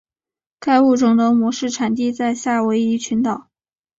该物种的模式产地在夏威夷群岛。